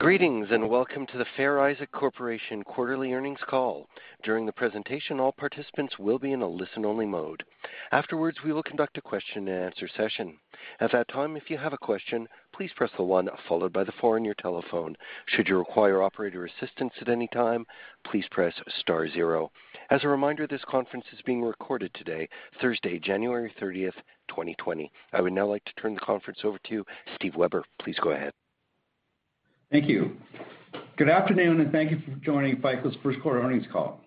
Greetings, welcome to the Fair Isaac Corporation quarterly earnings call. During the presentation, all participants will be in a listen-only mode. Afterwards, we will conduct a question-and-answer session. At that time, if you have a question, please press the one followed by the four on your telephone. Should you require operator assistance at any time, please press star zero. As a reminder, this conference is being recorded today, Thursday, January 30th, 2020. I would now like to turn the conference over to Steve Weber. Please go ahead. Thank you. Good afternoon, and thank you for joining FICO's first quarter earnings call.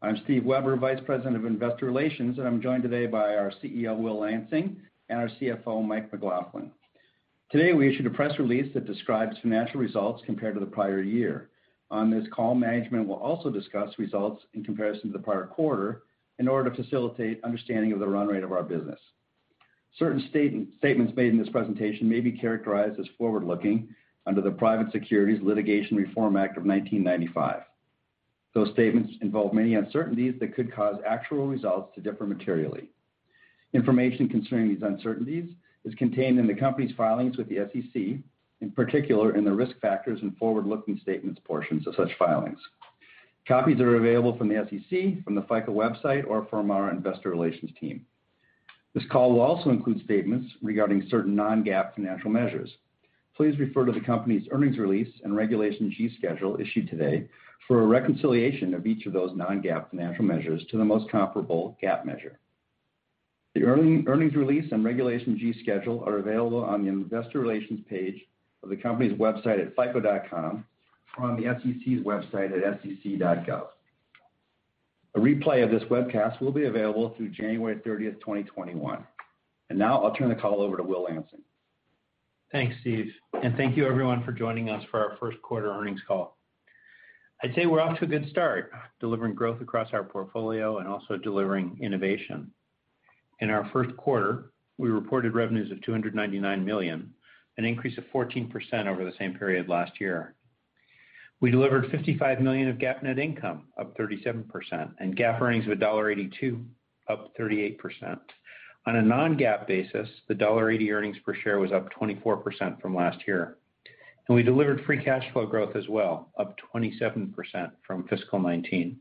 I'm Steve Weber, Vice President of Investor Relations, and I'm joined today by our CEO, Will Lansing, and our CFO, Mike McLaughlin. Today, we issued a press release that describes financial results compared to the prior year. On this call, management will also discuss results in comparison to the prior quarter in order to facilitate understanding of the run rate of our business. Certain statements made in this presentation may be characterized as forward-looking under the Private Securities Litigation Reform Act of 1995. Those statements involve many uncertainties that could cause actual results to differ materially. Information concerning these uncertainties is contained in the company's filings with the SEC, in particular in the risk factors and forward-looking statements portions of such filings. Copies are available from the SEC, from the FICO website, or from our investor relations team. This call will also include statements regarding certain non-GAAP financial measures. Please refer to the company's earnings release and Regulation G schedule issued today for a reconciliation of each of those non-GAAP financial measures to the most comparable GAAP measure. The earnings release and Regulation G schedule are available on the investor relations page of the company's website at fico.com, or on the SEC's website at sec.gov. A replay of this webcast will be available through January 30th, 2021. Now I'll turn the call over to Will Lansing. Thanks, Steve. Thank you everyone for joining us for our first quarter earnings call. I'd say we're off to a good start delivering growth across our portfolio and also delivering innovation. In our first quarter, we reported revenues of $299 million, an increase of 14% over the same period last year. We delivered $55 million of GAAP net income, up 37%, and GAAP earnings of $1.82, up 38%. On a non-GAAP basis, the $1.80 earnings per share was up 24% from last year. We delivered free cash flow growth as well, up 27% from fiscal 2019.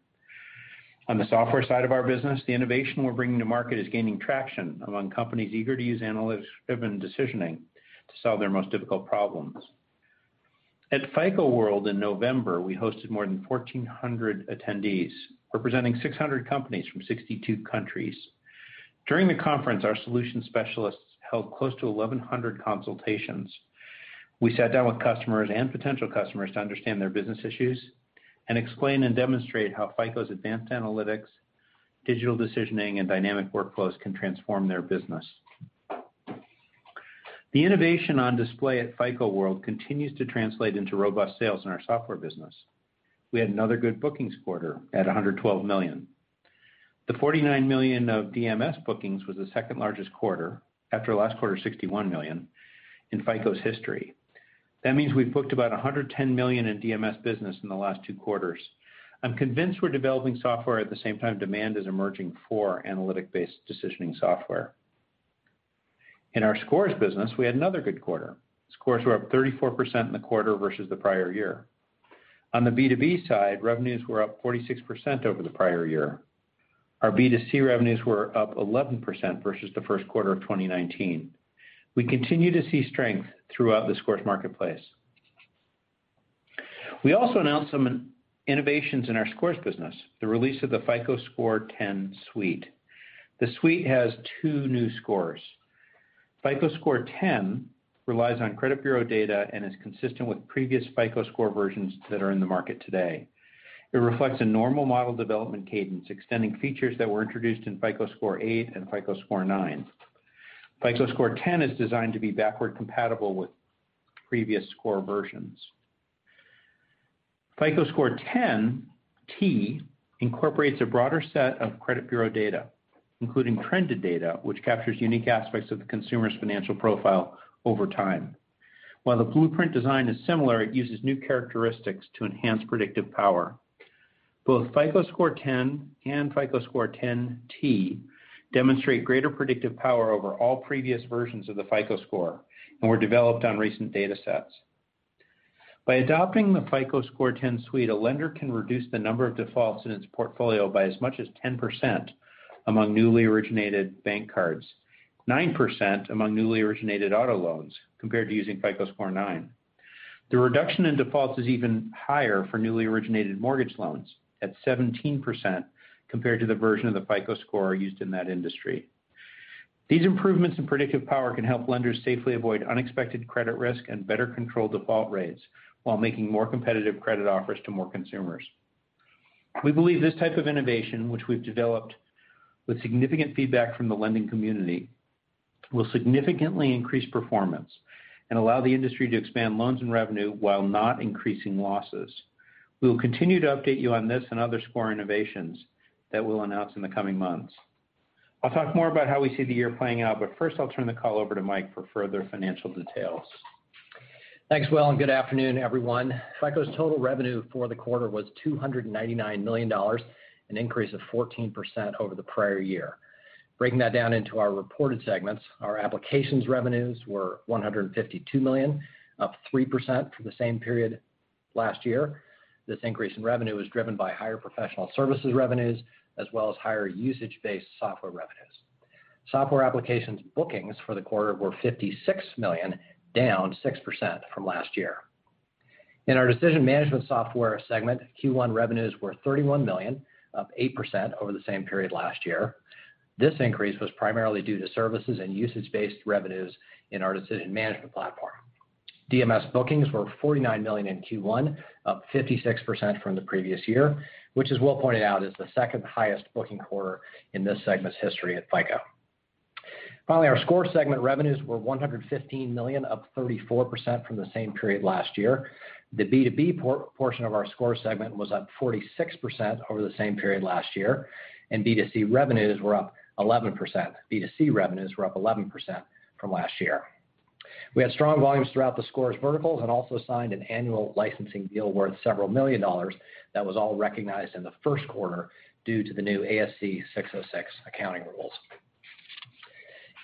On the software side of our business, the innovation we're bringing to market is gaining traction among companies eager to use analytics-driven decisioning to solve their most difficult problems. At FICO World in November, we hosted more than 1,400 attendees, representing 600 companies from 62 countries. During the conference, our solution specialists held close to 1,100 consultations. We sat down with customers and potential customers to understand their business issues and explain and demonstrate how FICO's advanced analytics, digital decisioning, and dynamic workflows can transform their business. The innovation on display at FICO World continues to translate into robust sales in our software business. We had another good bookings quarter at $112 million. The $49 million of DMS bookings was the second-largest quarter, after last quarter's $61 million, in FICO's history. That means we've booked about $110 million in DMS business in the last two quarters. I'm convinced we're developing software at the same time demand is emerging for analytic-based decisioning software. In our scores business, we had another good quarter. Scores were up 34% in the quarter versus the prior year. On the B2B side, revenues were up 46% over the prior year. Our B2C revenues were up 11% versus the first quarter of 2019. We continue to see strength throughout the scores marketplace. We also announced some innovations in our scores business, the release of the FICO Score 10 suite. The suite has two new scores. FICO Score 10 relies on credit bureau data and is consistent with previous FICO Score versions that are in the market today. It reflects a normal model development cadence, extending features that were introduced in FICO Score 8 and FICO Score 9. FICO Score 10 is designed to be backward-compatible with previous score versions. FICO Score 10T incorporates a broader set of credit bureau data, including trended data, which captures unique aspects of the consumer's financial profile over time. While the blueprint design is similar, it uses new characteristics to enhance predictive power. Both FICO Score 10 and FICO Score 10T demonstrate greater predictive power over all previous versions of the FICO score and were developed on recent data sets. By adopting the FICO Score 10 suite, a lender can reduce the number of defaults in its portfolio by as much as 10% among newly originated bank cards, 9% among newly originated auto loans, compared to using FICO Score 9. The reduction in defaults is even higher for newly originated mortgage loans, at 17%, compared to the version of the FICO score used in that industry. These improvements in predictive power can help lenders safely avoid unexpected credit risk and better control default rates while making more competitive credit offers to more consumers. We believe this type of innovation, which we've developed with significant feedback from the lending community, will significantly increase performance and allow the industry to expand loans and revenue while not increasing losses. We will continue to update you on this and other score innovations that we'll announce in the coming months. I'll talk more about how we see the year playing out, but first, I'll turn the call over to Mike for further financial details. Thanks, Will, and good afternoon, everyone. FICO's total revenue for the quarter was $299 million, an increase of 14% over the prior year. Breaking that down into our reported segments, our applications revenues were $152 million, up 3% for the same period. Last year, this increase in revenue was driven by higher professional services revenues, as well as higher usage-based software revenues. Software applications bookings for the quarter were $56 million, down 6% from last year. In our Decision Management Software segment, Q1 revenues were $31 million, up 8% over the same period last year. This increase was primarily due to services and usage-based revenues in our decision management platform. DMS bookings were $49 million in Q1, up 56% from the previous year, which as Will pointed out, is the second highest booking quarter in this segment's history at FICO. Our Score segment revenues were $115 million, up 34% from the same period last year. The B2B portion of our Score segment was up 46% over the same period last year, and B2C revenues were up 11%. B2C revenues were up 11% from last year. We had strong volumes throughout the scores verticals and also signed an annual licensing deal worth several million dollars that was all recognized in the first quarter due to the new ASC 606 accounting rules.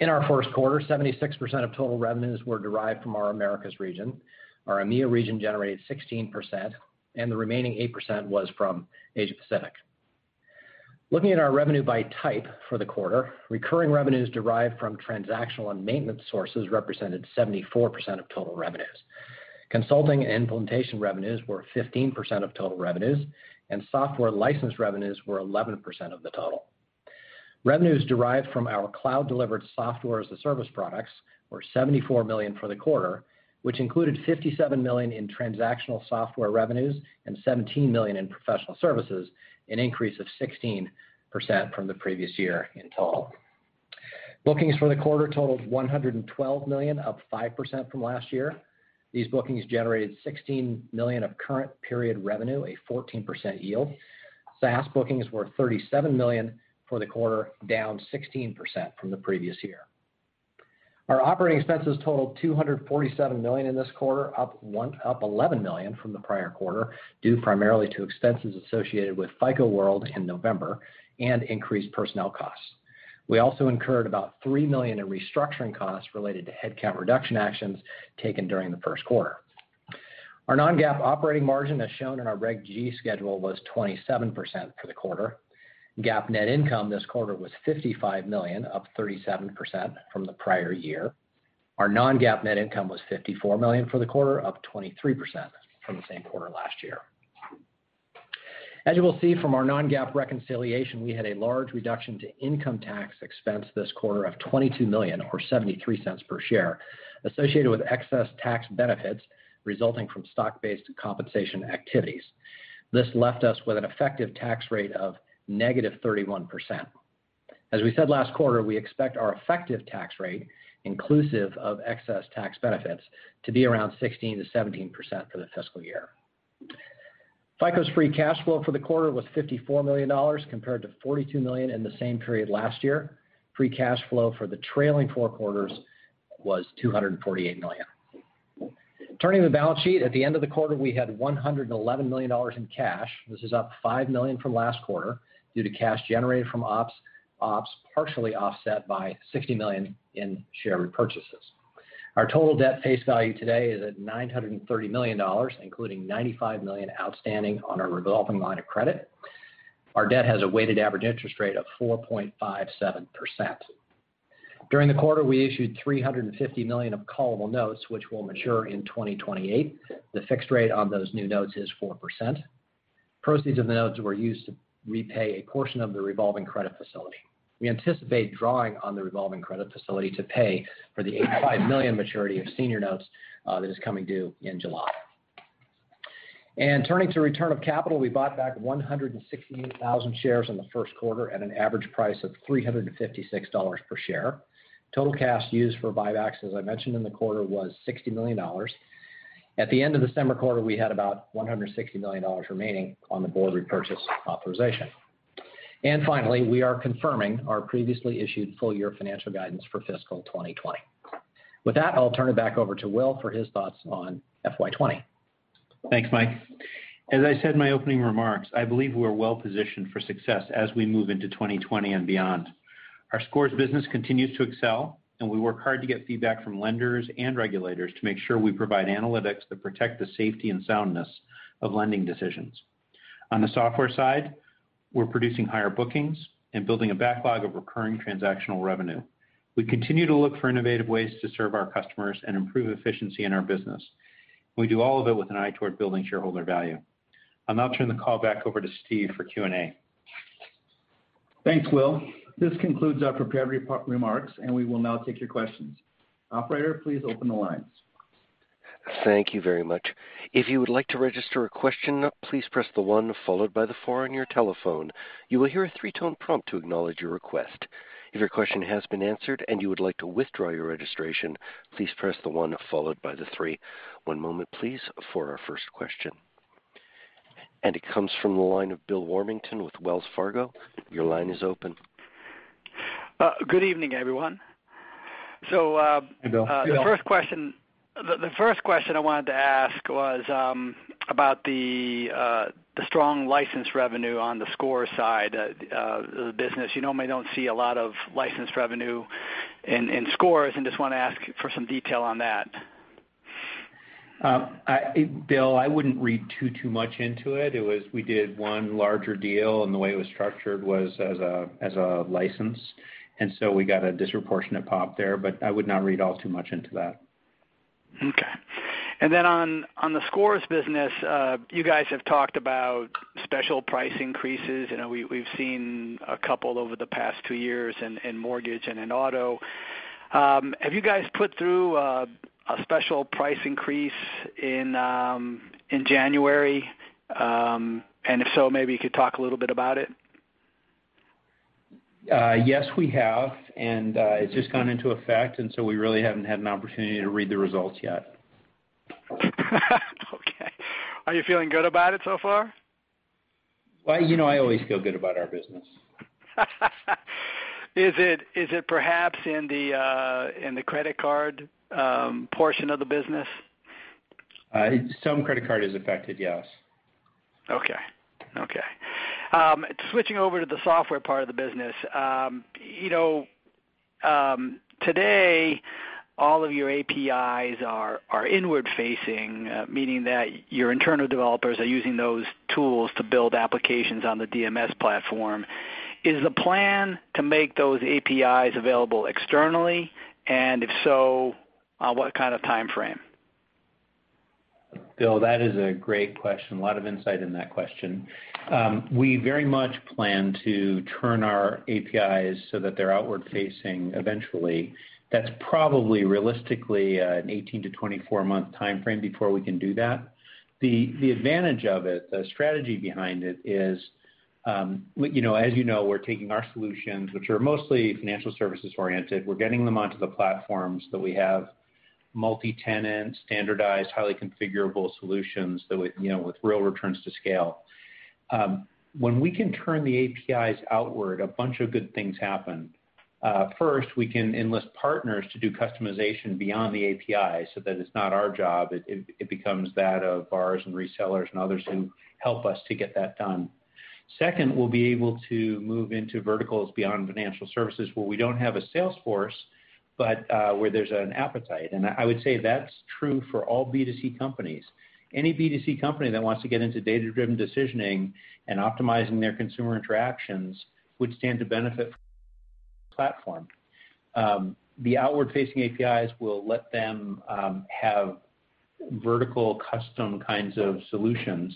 In our first quarter, 76% of total revenues were derived from our Americas region. Our EMEIA region generated 16%, and the remaining 8% was from Asia Pacific. Looking at our revenue by type for the quarter, recurring revenues derived from transactional and maintenance sources represented 74% of total revenues. Consulting and implementation revenues were 15% of total revenues, and software license revenues were 11% of the total. Revenues derived from our cloud-delivered software as a service products were $74 million for the quarter, which included $57 million in transactional software revenues and $17 million in professional services, an increase of 16% from the previous year in total. Bookings for the quarter totaled $112 million, up 5% from last year. These bookings generated $16 million of current period revenue, a 14% yield. SaaS bookings were $37 million for the quarter, down 16% from the previous year. Our operating expenses totaled $247 million in this quarter, up $11 million from the prior quarter, due primarily to expenses associated with FICO World in November and increased personnel costs. We also incurred about $3 million in restructuring costs related to headcount reduction actions taken during the first quarter. Our non-GAAP operating margin, as shown in our Regulation G schedule, was 27% for the quarter. GAAP net income this quarter was $55 million, up 37% from the prior year. Our non-GAAP net income was $54 million for the quarter, up 23% from the same quarter last year. As you will see from our non-GAAP reconciliation, we had a large reduction to income tax expense this quarter of $22 million, or $0.73 per share, associated with excess tax benefits resulting from stock-based compensation activities. This left us with an effective tax rate of negative 31%. As we said last quarter, we expect our effective tax rate, inclusive of excess tax benefits, to be around 16%-17% for the fiscal year. FICO's free cash flow for the quarter was $54 million, compared to $42 million in the same period last year. Free cash flow for the trailing four quarters was $248 million. Turning to the balance sheet, at the end of the quarter, we had $111 million in cash. This is up $5 million from last quarter due to cash generated from ops, partially offset by $60 million in share repurchases. Our total debt face value today is at $930 million, including $95 million outstanding on our revolving line of credit. Our debt has a weighted average interest rate of 4.57%. During the quarter, we issued $350 million of callable notes, which will mature in 2028. The fixed rate on those new notes is 4%. Proceeds of the notes were used to repay a portion of the revolving credit facility. We anticipate drawing on the revolving credit facility to pay for the $85 million maturity of senior notes that is coming due in July. Turning to return of capital, we bought back 168,000 shares in the first quarter at an average price of $356 per share. Total cash used for buybacks, as I mentioned in the quarter, was $60 million. At the end of this quarter, we had about $160 million remaining on the board repurchase authorization. Finally, we are confirming our previously issued full-year financial guidance for fiscal 2020. With that, I'll turn it back over to Will for his thoughts on FY 2020. Thanks, Mike. As I said in my opening remarks, I believe we are well-positioned for success as we move into 2020 and beyond. Our scores business continues to excel, and we work hard to get feedback from lenders and regulators to make sure we provide analytics that protect the safety and soundness of lending decisions. On the software side, we're producing higher bookings and building a backlog of recurring transactional revenue. We continue to look for innovative ways to serve our customers and improve efficiency in our business. We do all of it with an eye toward building shareholder value. I'll now turn the call back over to Steve for Q&A. Thanks, Will. This concludes our prepared remarks, and we will now take your questions. Operator, please open the lines. Thank you very much. If you would like to register a question, please press the one followed by the four on your telephone. You will hear a three-tone prompt to acknowledge your request. If your question has been answered and you would like to withdraw your registration, please press the one followed by the three. One moment, please, for our first question. It comes from the line of Bill Warmington with Wells Fargo. Your line is open. Good evening, everyone. Hey, Bill. The first question I wanted to ask was about the strong license revenue on the score side of the business. You normally don't see a lot of license revenue in scores, and just want to ask for some detail on that. Bill, I wouldn't read too much into it. We did one larger deal, and the way it was structured was as a license. We got a disproportionate pop there, but I would not read all too much into that. Okay. On the scores business, you guys have talked about special price increases. We've seen a couple over the past two years in mortgage and in auto. Have you guys put through a special price increase in January? If so, maybe you could talk a little bit about it. Yes, we have, and it's just gone into effect. We really haven't had an opportunity to read the results yet. Okay. Are you feeling good about it so far? Well, you know I always feel good about our business. Is it perhaps in the credit card portion of the business? Some credit card is affected, yes. Okay. Switching over to the software part of the business. Today, all of your APIs are inward facing, meaning that your internal developers are using those tools to build applications on the DMS platform. Is the plan to make those APIs available externally, and if so, on what kind of timeframe? Bill, that is a great question. A lot of insight in that question. We very much plan to turn our APIs so that they're outward facing eventually. That's probably realistically an 18 to 24-month timeframe before we can do that. The advantage of it, the strategy behind it is, as you know, we're taking our solutions, which are mostly financial services oriented. We're getting them onto the platforms that we have multi-tenant, standardized, highly configurable solutions with real returns to scale. When we can turn the APIs outward, a bunch of good things happen. First, we can enlist partners to do customization beyond the API so that it's not our job. It becomes that of ours and resellers and others who help us to get that done. Second, we'll be able to move into verticals beyond financial services where we don't have a sales force, but where there's an appetite. I would say that's true for all B2C companies. Any B2C company that wants to get into data-driven decisioning and optimizing their consumer interactions would stand to benefit from the platform. The outward facing APIs will let them have vertical custom kinds of solutions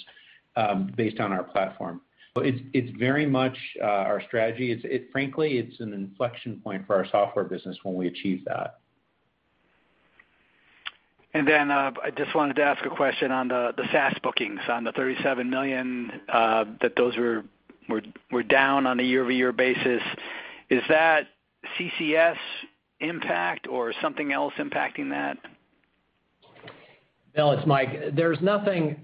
based on our platform. It's very much our strategy. Frankly, it's an inflection point for our software business when we achieve that. I just wanted to ask a question on the SaaS bookings, on the $37 million, that those were down on a year-over-year basis. Is that CCS impact or something else impacting that? Bill, it's Mike. There's nothing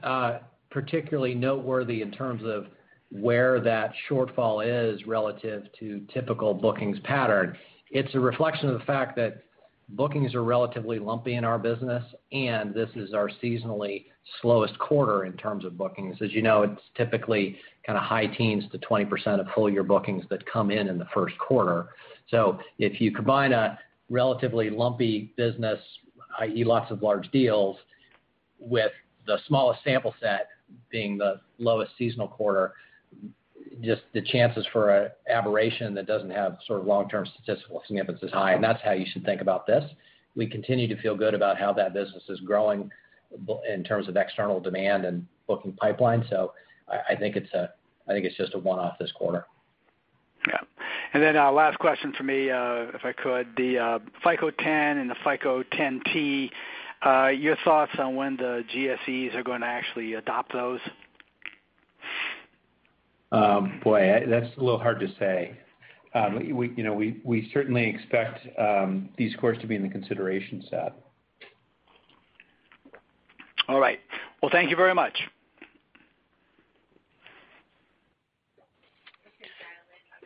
particularly noteworthy in terms of where that shortfall is relative to typical bookings pattern. It's a reflection of the fact that bookings are relatively lumpy in our business, and this is our seasonally slowest quarter in terms of bookings. As you know, it's typically high teens to 20% of full-year bookings that come in in the first quarter. If you combine a relatively lumpy business, i.e., lots of large deals, with the smallest sample set being the lowest seasonal quarter, just the chances for an aberration that doesn't have long-term statistical significance is high, and that's how you should think about this. We continue to feel good about how that business is growing in terms of external demand and booking pipeline. I think it's just a one-off this quarter. Yeah. Last question for me, if I could. The FICO 10 and the FICO 10-T, your thoughts on when the GSEs are going to actually adopt those? Boy, that's a little hard to say. We certainly expect these scores to be in the consideration set. All right. Well, thank you very much.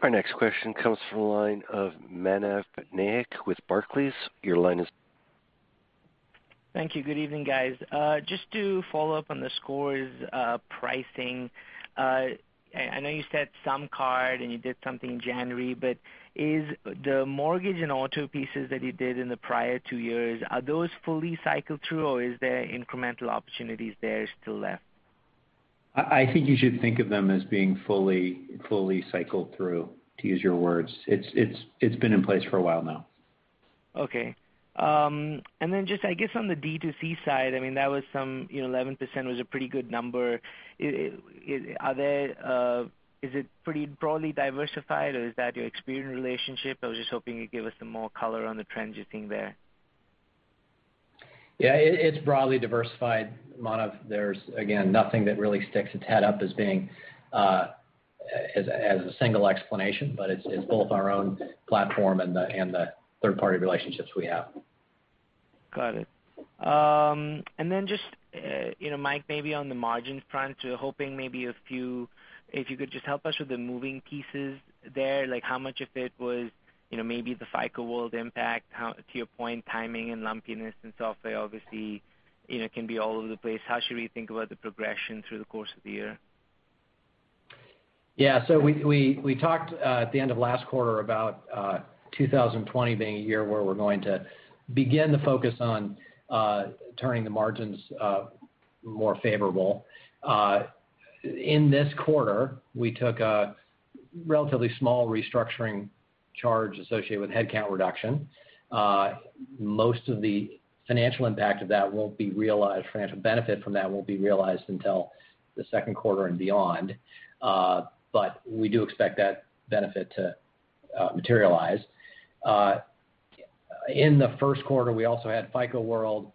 Our next question comes from the line of Manav Patnaik with Barclays. Thank you. Good evening, guys. Just to follow up on the scores pricing. I know you said some card and you did something January, but is the mortgage and auto pieces that you did in the prior two years, are those fully cycled through or is there incremental opportunities there still left? I think you should think of them as being fully cycled through, to use your words. It's been in place for a while now. Okay. I guess on the D2C side, that was some 11% was a pretty good number. Is it pretty broadly diversified or is that your Experian relationship? I was just hoping you'd give us some more color on the trends you're seeing there. It's broadly diversified, Manav. There's, again, nothing that really sticks its head up as a single explanation, but it's both our own platform and the third-party relationships we have. Got it. Just, Mike, maybe on the margin front, hoping maybe if you could just help us with the moving pieces there, like how much of it was maybe the FICO World impact, to your point, timing and lumpiness and software obviously can be all over the place. How should we think about the progression through the course of the year? Yeah. We talked at the end of last quarter about 2020 being a year where we're going to begin to focus on turning the margins more favorable. In this quarter, we took a relatively small restructuring charge associated with headcount reduction. Most of the financial impact of that won't be realized, financial benefit from that won't be realized until the second quarter and beyond. We do expect that benefit to materialize. In the first quarter, we also had FICO World,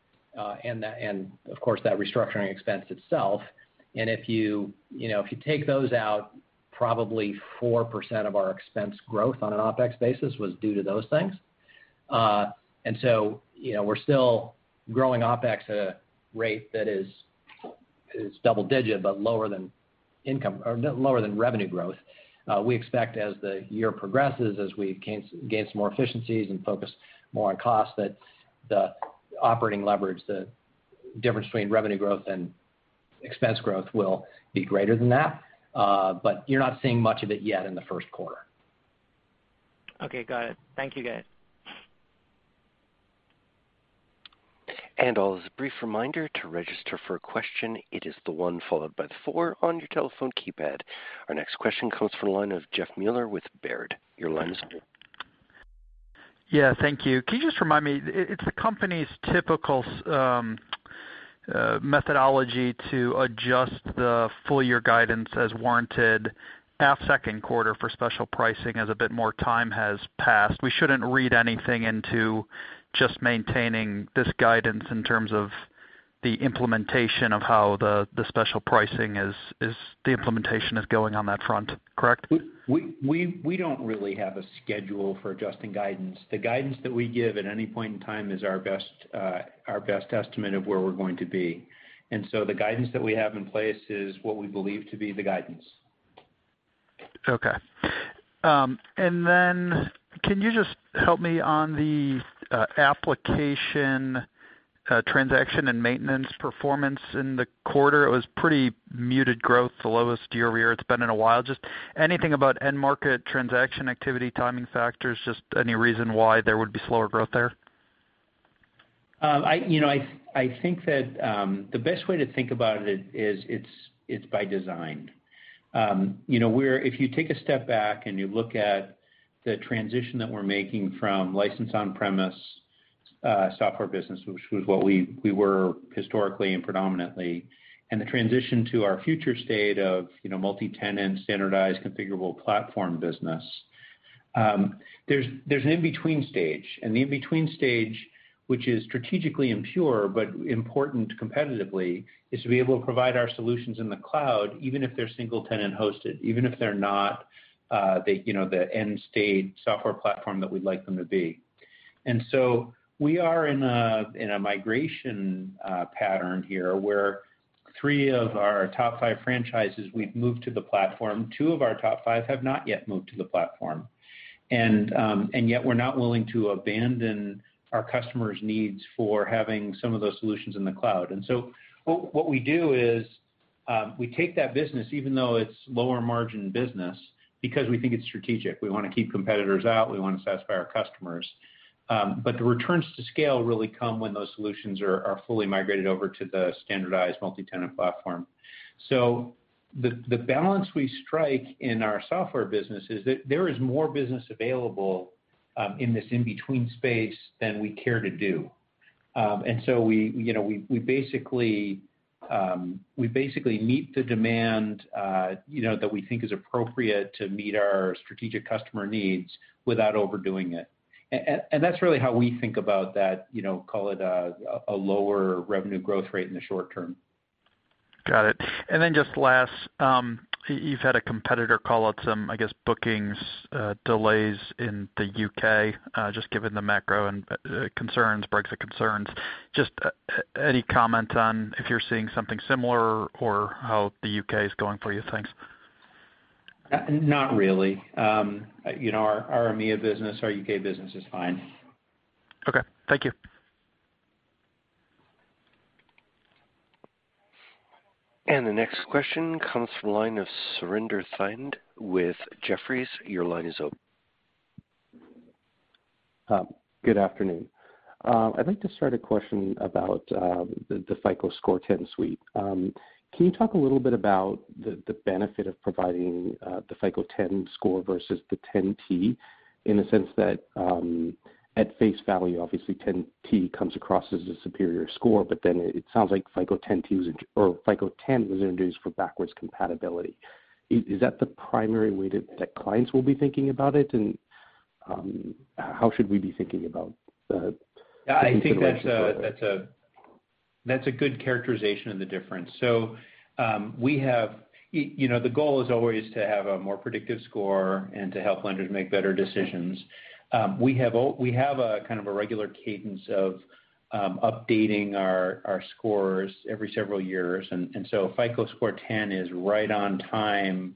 and of course, that restructuring expense itself. If you take those out, probably 4% of our expense growth on an OPEX basis was due to those things. We're still growing OPEX at a rate that is double digit, but lower than revenue growth. We expect as the year progresses, as we gain some more efficiencies and focus more on cost, that the operating leverage, the difference between revenue growth and expense growth, will be greater than that. You're not seeing much of it yet in the first quarter. Okay. Got it. Thank you, guys. Also a brief reminder, to register for a question, it is the one followed by the four on your telephone keypad. Our next question comes from the line of Jeff Mueller with Baird. Your line is open. Yeah. Thank you. Can you just remind me, it's the company's typical methodology to adjust the full-year guidance as warranted half second quarter for special pricing as a bit more time has passed. We shouldn't read anything into just maintaining this guidance in terms of the implementation of how the special pricing is, the implementation is going on that front, correct? We don't really have a schedule for adjusting guidance. The guidance that we give at any point in time is our best estimate of where we're going to be. The guidance that we have in place is what we believe to be the guidance. Okay. Can you just help me on the application transaction and maintenance performance in the quarter? It was pretty muted growth, the lowest year-over-year it's been in a while. Just anything about end market transaction activity, timing factors, just any reason why there would be slower growth there? I think that the best way to think about it is it's by design. If you take a step back and you look at the transition that we're making from licensed on-premise software business, which was what we were historically and predominantly, and the transition to our future state of multi-tenant, standardized, configurable platform business. There's an in-between stage. The in-between stage, which is strategically impure but important competitively, is to be able to provide our solutions in the cloud, even if they're single-tenant hosted, even if they're not the end-state software platform that we'd like them to be. We are in a migration pattern here where three of our top five franchises we've moved to the platform, two of our top five have not yet moved to the platform. Yet we're not willing to abandon our customers' needs for having some of those solutions in the cloud. What we do is we take that business, even though it's lower margin business, because we think it's strategic. We want to keep competitors out. We want to satisfy our customers. The returns to scale really come when those solutions are fully migrated over to the standardized multi-tenant platform. The balance we strike in our software business is that there is more business available in this in-between space than we care to do. We basically meet the demand that we think is appropriate to meet our strategic customer needs without overdoing it. That's really how we think about that, call it a lower revenue growth rate in the short term. Got it. Just last, you've had a competitor call out some, I guess, bookings delays in the U.K., just given the macro and Brexit concerns. Just any comment on if you're seeing something similar or how the U.K. is going for you? Thanks. Not really. Our EMEIA business, our U.K. business is fine. Okay. Thank you. The next question comes from the line of Surinder Thind with Jefferies. Your line is open. Good afternoon. I'd like to start a question about the FICO Score 10 suite. Can you talk a little bit about the benefit of providing the FICO 10 score versus the 10T, in the sense that at face value, obviously, 10T comes across as a superior score, but then it sounds like FICO 10 was introduced for backwards compatibility. Is that the primary way that clients will be thinking about it? How should we be thinking about the? I think that's a good characterization of the difference. The goal is always to have a more predictive score and to help lenders make better decisions. We have a regular cadence of updating our scores every several years. FICO Score 10 is right on time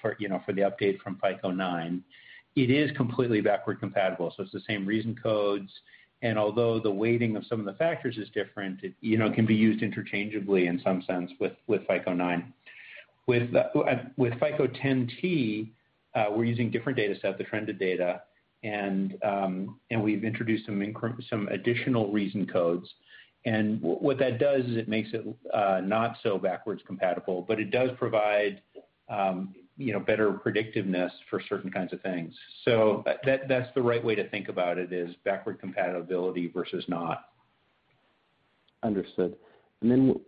for the update from FICO 9. It is completely backward compatible, so it's the same reason codes. Although the weighting of some of the factors is different, it can be used interchangeably in some sense with FICO 9. With FICO 10T, we're using different data set, the trended data, and we've introduced some additional reason codes. What that does is it makes it not so backwards compatible, but it does provide better predictiveness for certain kinds of things. That's the right way to think about it, is backward compatibility versus not. Understood. Then,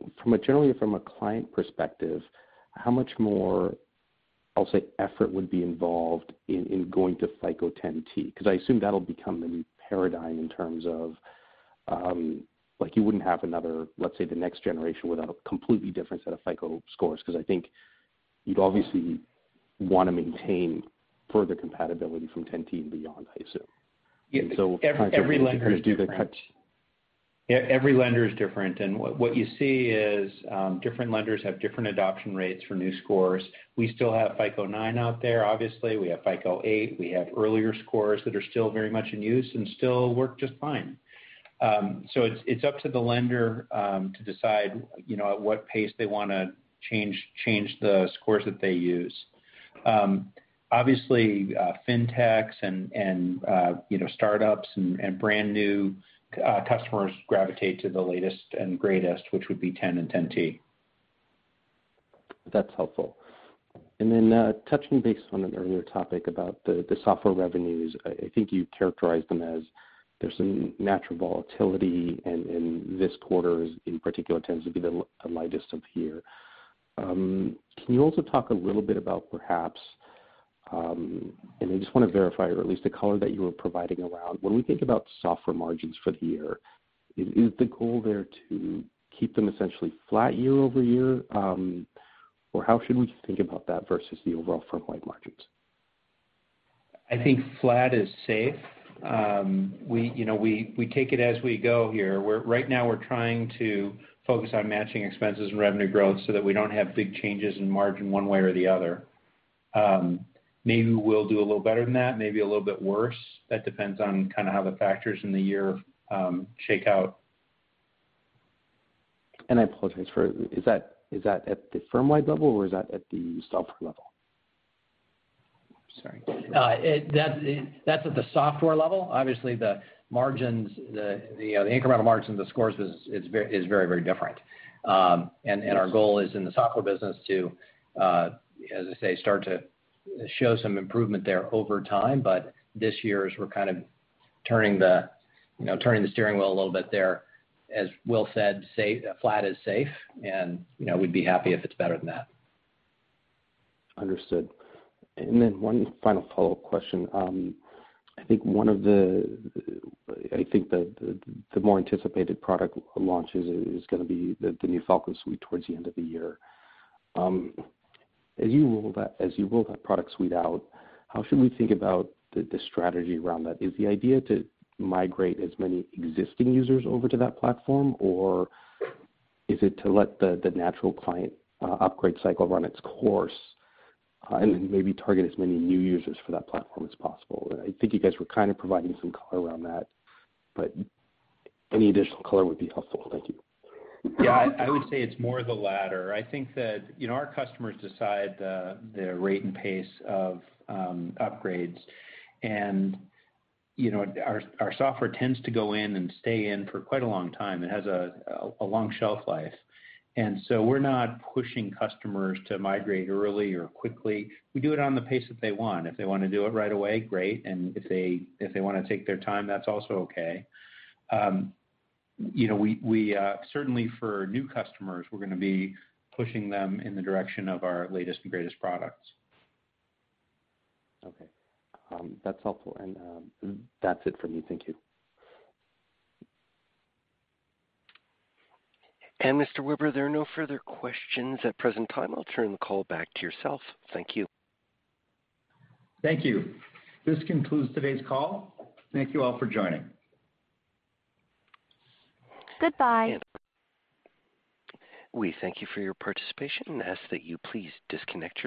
generally from a client perspective, how much more, I'll say, effort would be involved in going to FICO 10T? Because I assume that'll become the new paradigm in terms of, like you wouldn't have another, let's say, the next generation would have a completely different set of FICO Scores, because I think you'd obviously want to maintain further compatibility from 10T beyond, I assume. Every lender is different. Every lender is different, and what you see is different lenders have different adoption rates for new scores. We still have FICO 9 out there, obviously. We have FICO 8. We have earlier scores that are still very much in use and still work just fine. It's up to the lender to decide at what pace they want to change the scores that they use. Obviously, fintechs and startups and brand-new customers gravitate to the latest and greatest, which would be 10 and 10T. That's helpful. Touching base on an earlier topic about the software revenues, I think you characterized them as there's some natural volatility, and this quarter in particular tends to be the lightest of the year. Can you also talk a little bit about perhaps, and I just want to verify, or at least the color that you were providing around when we think about software margins for the year, is the goal there to keep them essentially flat year-over-year? How should we think about that versus the overall firm-wide margins? I think flat is safe. We take it as we go here. Right now we're trying to focus on matching expenses and revenue growth so that we don't have big changes in margin one way or the other. Maybe we'll do a little better than that, maybe a little bit worse. That depends on how the factors in the year shake out. I apologize, is that at the firm-wide level, or is that at the software level? Sorry. That's at the software level. Obviously, the incremental margins of scores is very different. Our goal is in the software business to, as I say, start to show some improvement there over time. This year, as we're kind of turning the steering wheel a little bit there, as Will said, flat is safe, and we'd be happy if it's better than that. Understood. One final follow-up question. I think that the more anticipated product launches is going to be the new Falcon suite towards the end of the year. As you roll that product suite out, how should we think about the strategy around that? Is the idea to migrate as many existing users over to that platform, or is it to let the natural client upgrade cycle run its course and maybe target as many new users for that platform as possible? I think you guys were providing some color around that, but any additional color would be helpful. Thank you. Yeah, I would say it's more the latter. I think that our customers decide their rate and pace of upgrades. Our software tends to go in and stay in for quite a long time. It has a long shelf life. We're not pushing customers to migrate early or quickly. We do it on the pace that they want. If they want to do it right away, great, and if they want to take their time, that's also okay. Certainly for new customers, we're going to be pushing them in the direction of our latest and greatest products. Okay. That's helpful. That's it for me. Thank you. Mr. Weber, there are no further questions at present time. I'll turn the call back to yourself. Thank you. Thank you. This concludes today's call. Thank you all for joining. Goodbye. We thank you for your participation and ask that you please disconnect.